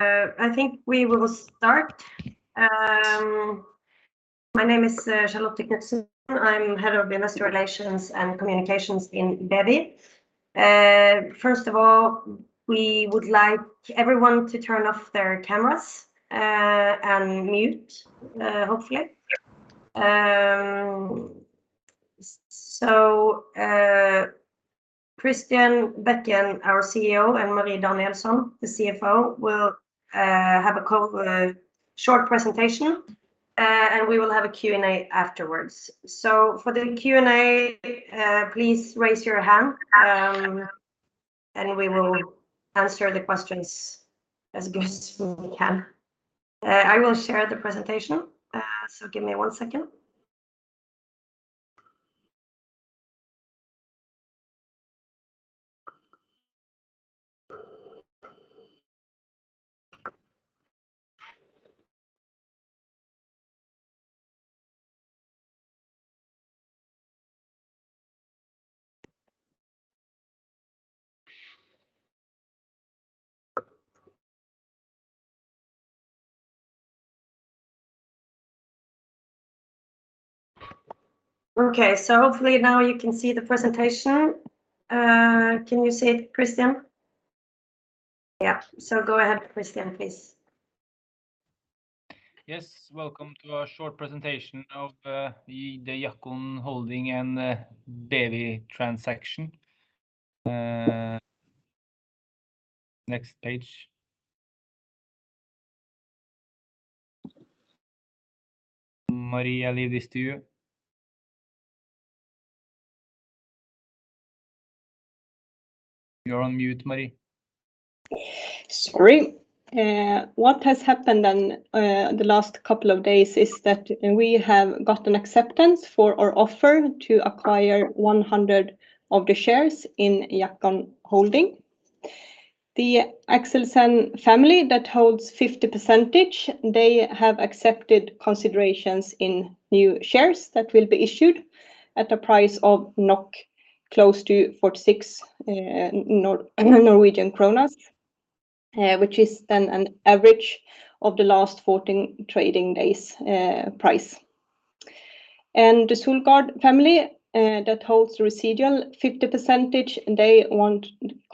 I think we will start. My name is Charlotte Knudsen. I'm Head of Investor Relations and Communications in BEWI. First of all, we would like everyone to turn off their cameras and mute, hopefully. Christian Bekken, our CEO, and Marie Danielsson, the CFO, will have a short presentation, and we will have a Q&A afterwards. For the Q&A, please raise your hand, and we will answer the questions as best we can. I will share the presentation, give me one second. Okay. Hopefully now you can see the presentation. Can you see it, Christian? Yeah. Go ahead, Christian, please. Yes. Welcome to our short presentation of the Jackon Holding and BEWI transaction. Next page. Marie, I leave this to you. You're on mute, Marie. Sorry. What has happened in the last couple of days is that we have gotten acceptance for our offer to acquire 100 of the shares in Jackon Holding. The Akselsen family, that holds 50%, they have accepted considerations in new shares that will be issued at a price of NOK close to 46 Norwegian kronas, which is then an average of the last 14 trading days' price. The Solgaard family, that holds the residual 50%, they want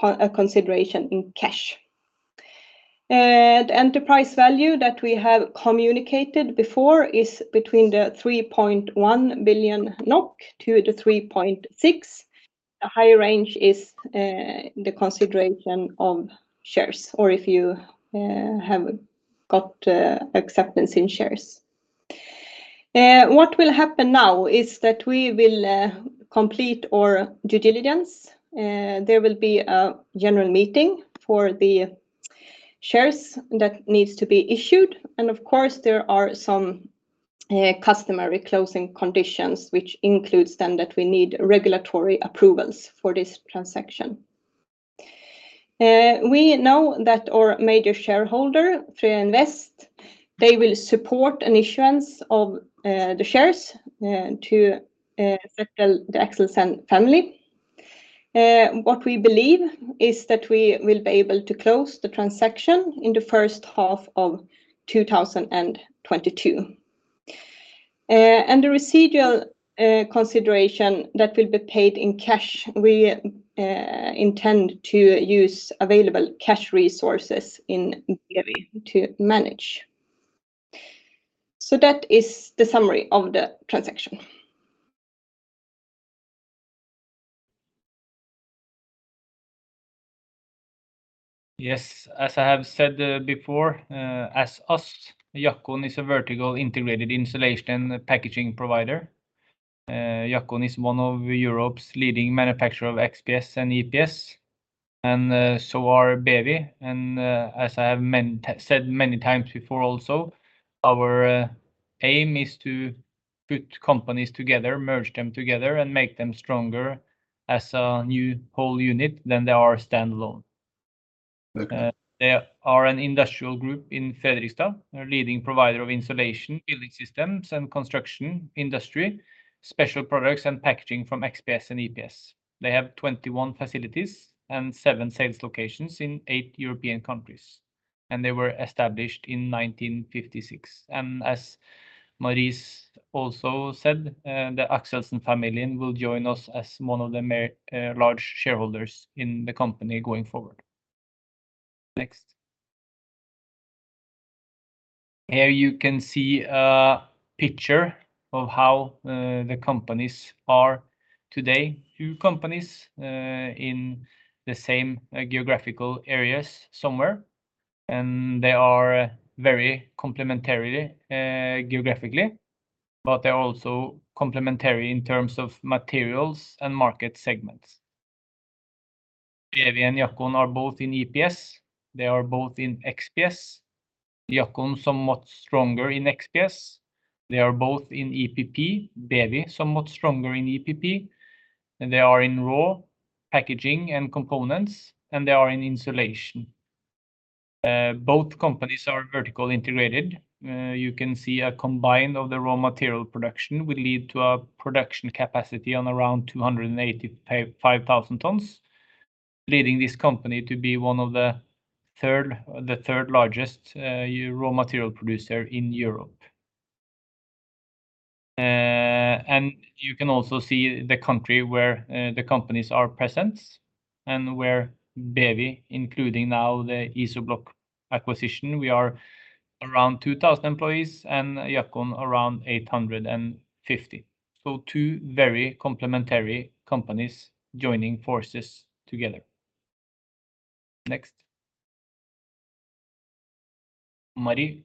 a consideration in cash. The enterprise value that we have communicated before is between 3.1 billion-3.6 billion NOK. A higher range is the consideration of shares, or if you have got acceptance in shares. What will happen now is that we will complete our due diligence. There will be a general meeting for the shares that needs to be issued. Of course, there are some customary closing conditions, which includes then that we need regulatory approvals for this transaction. We know that our major shareholder, BEWI Invest, they will support an issuance of the shares to settle the Akselsen family. We believe we will be able to close the transaction in the first half of 2022. The residual consideration that will be paid in cash, we intend to use available cash resources in BEWI to manage. That is the summary of the transaction. Yes, as I have said before, as us, Jackon is a vertical integrated insulation packaging provider. Jackon is one of Europe's leading manufacturer of XPS and EPS, and so are BEWI. As I have said many times before also, our aim is to put companies together, merge them together, and make them stronger as a new whole unit than they are standalone. They are an industrial group in Fredrikstad, a leading provider of insulation, building systems, and construction industry, special products, and packaging from XPS and EPS. They have 21 facilities and seven sales locations in eight European countries, and they were established in 1956. As Marie also said, the Akselsen family will join us as one of the large shareholders in the company going forward. Next. Here you can see a picture of how the companies are today. Two companies in the same geographical areas somewhere, and they are very complementary geographically, but they're also complementary in terms of materials and market segments. BEWI and Jackon are both in EPS. They are both in XPS, Jackon somewhat stronger in XPS. They are both in EPP, BEWI somewhat stronger in EPP, and they are in raw packaging and components, and they are in insulation. Both companies are vertically integrated. You can see a combine of the raw material production will lead to a production capacity on around 285,000 tons, leading this company to be the third-largest raw material producer in Europe. You can also see the country where the companies are present and where BEWI, including now the IZOBLOK acquisition, we are around 2,000 employees and Jackon around 850. Two very complementary companies joining forces together. Next. Marie?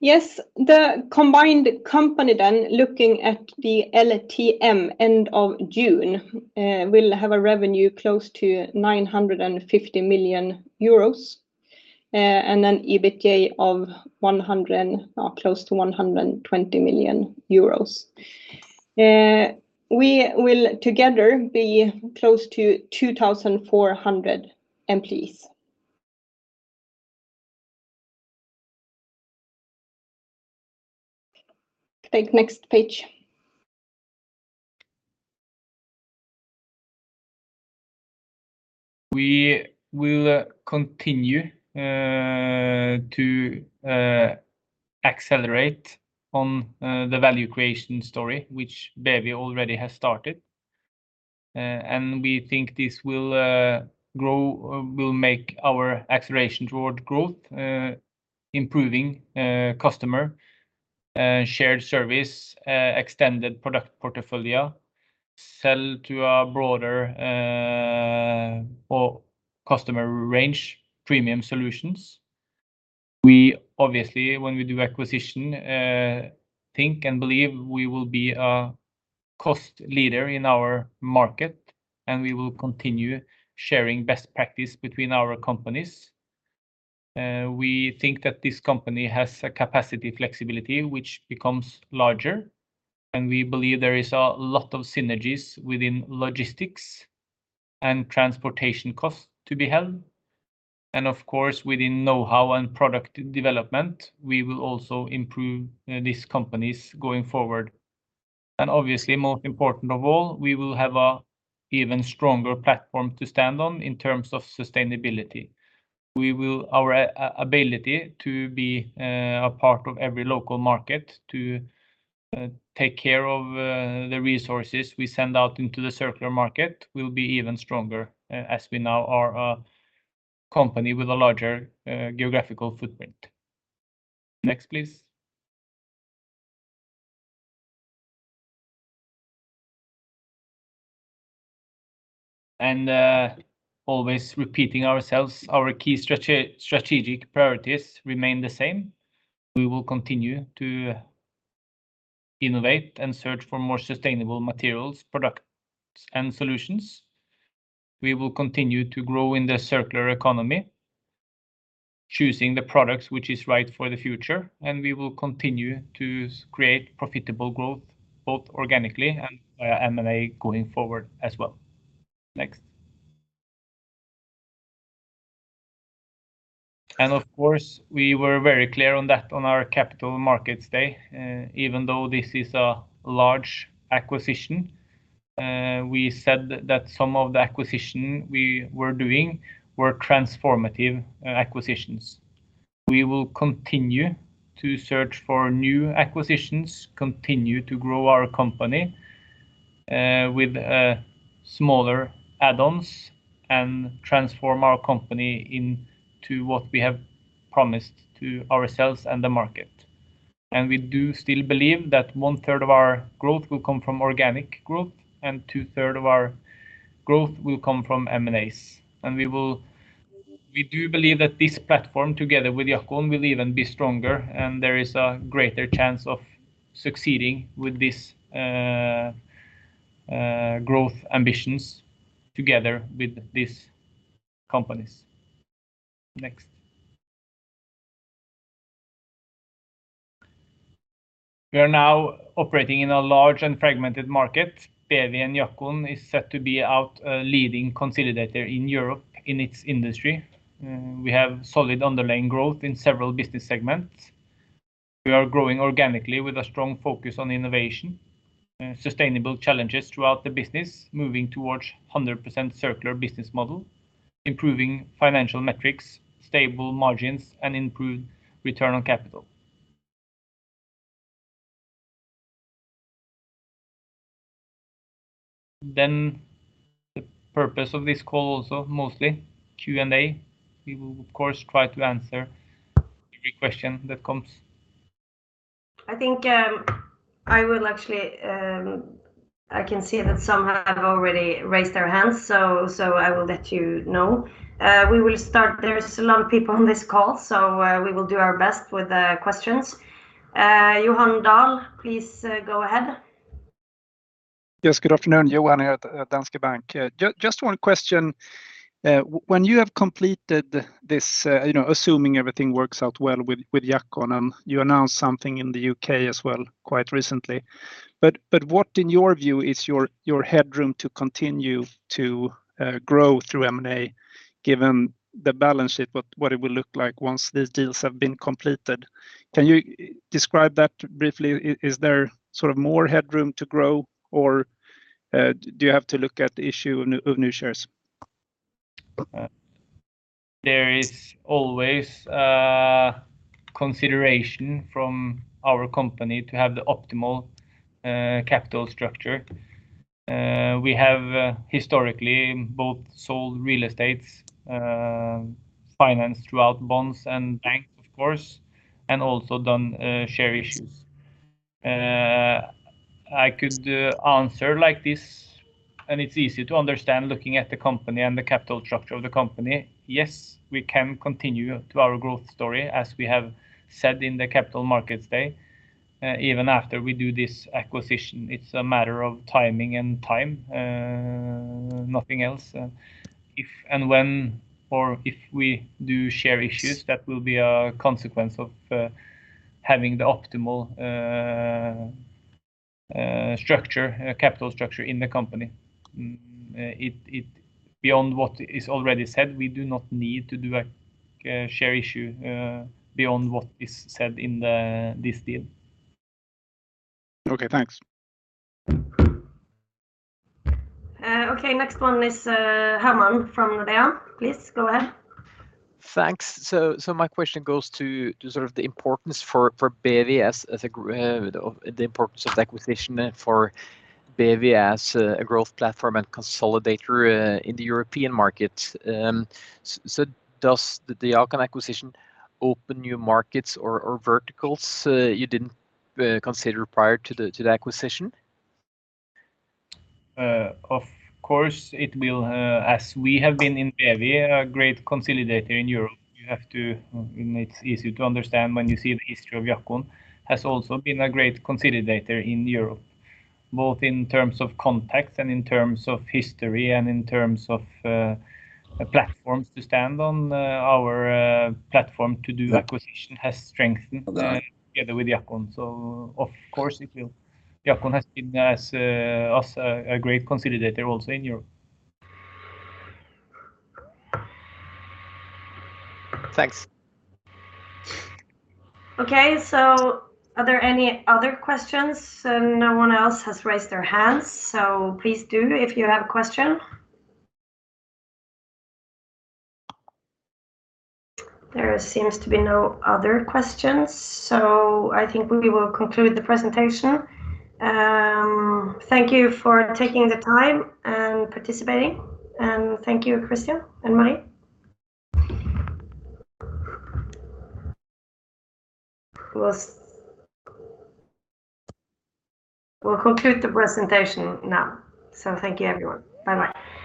Yes. The combined company then, looking at the LTM end of June, will have a revenue close to 950 million euros, and an EBITDA of close to 120 million euros. We will together be close to 2,400 employees. Take next page. We will continue to accelerate on the value creation story, which BEWI already has started. We think this will make our acceleration toward growth, improving customer shared service, extended product portfolio, sell to a broader customer range, premium solutions. We obviously, when we do acquisition, think and believe we will be a cost leader in our market, and we will continue sharing best practice between our companies. We think that this company has a capacity flexibility which becomes larger, and we believe there is a lot of synergies within logistics and transportation costs to be held. Of course, within knowhow and product development, we will also improve these companies going forward. Obviously, most important of all, we will have an even stronger platform to stand on in terms of sustainability. Our ability to be a part of every local market to take care of the resources we send out into the circular market will be even stronger as we now are a company with a larger geographical footprint. Next, please. Always repeating ourselves, our key strategic priorities remain the same. We will continue to innovate and search for more sustainable materials, products, and solutions. We will continue to grow in the circular economy, choosing the products which is right for the future, and we will continue to create profitable growth both organically and via M&A going forward as well. Next. Of course, we were very clear on that on our Capital Markets Day. Even though this is a large acquisition, we said that some of the acquisition we were doing were transformative acquisitions. We will continue to search for new acquisitions, continue to grow our company with smaller add-ons and transform our company into what we have promised to ourselves and the market. We do still believe that one-third of our growth will come from organic growth, and two-third of our growth will come from M&As. We do believe that this platform, together with Jackon, will even be stronger, and there is a greater chance of succeeding with these growth ambitions together with these companies. Next. We are now operating in a large and fragmented market. BEWI and Jackon is set to be our leading consolidator in Europe in its industry. We have solid underlying growth in several business segments. We are growing organically with a strong focus on innovation, sustainable challenges throughout the business, moving towards 100% circular business model, improving financial metrics, stable margins, and improved return on capital. The purpose of this call also, mostly Q&A. We will, of course, try to answer every question that comes. I can see that some have already raised their hands, so I will let you know. We will start. There is a lot of people on this call, so we will do our best with the questions. Johan Dahl, please go ahead. Yes, good afternoon. Johan here at Danske Bank. Just one question. When you have completed this, assuming everything works out well with Jackon, you announced something in the U.K. as well quite recently. What, in your view, is your headroom to continue to grow through M&A, given the balance sheet, what it will look like once these deals have been completed? Can you describe that briefly? Is there more headroom to grow, or do you have to look at the issue of new shares? There is always consideration from our company to have the optimal capital structure. We have historically both sold real estates, financed throughout bonds and banks, of course, and also done share issues. I could answer like this, and it's easy to understand looking at the company and the capital structure of the company. Yes, we can continue to our growth story, as we have said in the Capital Markets Day, even after we do this acquisition. It's a matter of timing and time, nothing else. If and when or if we do share issues, that will be a consequence of having the optimal capital structure in the company. Beyond what is already said, we do not need to do a share issue, beyond what is said in this deal. Okay, thanks. Okay, next one is Herman from Nordea. Please, go ahead. Thanks. My question goes to the importance of the acquisition for BEWI as a growth platform and consolidator in the European market. Does the Jackon acquisition open new markets or verticals you didn't consider prior to the acquisition? Of course it will, as we have been in BEWI, a great consolidator in Europe. It's easy to understand when you see the history of Jackon, has also been a great consolidator in Europe, both in terms of context and in terms of history and in terms of platforms to stand on. Our platform to do acquisition has strengthened together with Jackon. Of course it will. Jackon has been also a great consolidator also in Europe. Thanks. Okay, are there any other questions? No one else has raised their hands, please do if you have a question. There seems to be no other questions, I think we will conclude the presentation. Thank you for taking the time and participating, thank you, Christian and Marie. We'll conclude the presentation now. Thank you, everyone. Bye-bye.